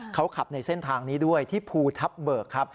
เขาขับในเส้นทางนี้ด้วยที่ภูทับเบิกครับ